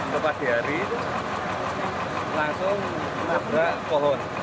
lepas di hari itu langsung menabrak pohon